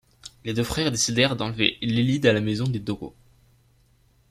Les deux frères décidèrent d’enlever l’Élide à la maison des Tocco.